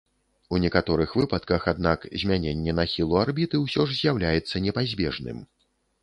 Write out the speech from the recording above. У некаторых выпадках, аднак, змяненне нахілу арбіты ўсё ж з'яўляецца непазбежным.